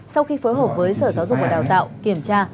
sau khi phối hợp với sở giáo dục và đào tạo kiểm tra